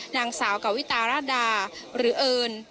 นางสาวกวิตาราดาหรือเอิญ